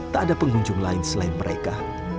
tak ada pengunjung lain selain mereka